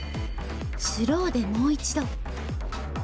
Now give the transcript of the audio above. スローでもう一度。